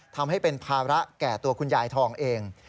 ทำให้เป็นภาระแก่ตัวคุณยายทองเอง